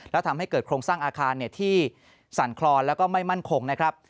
แล้วทำให้เกิดโครงสร้างอาคารที่สั่นคลอนแล้วก็ไม่มั่นคงนะครับ